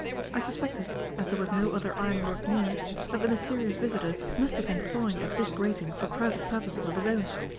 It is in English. I suspected, as there was no other ironwork near, that the mysterious visitor must have been sawing at this grating for private purposes of his own.